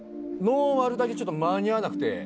ノーマルだけちょっと間に合わなくて。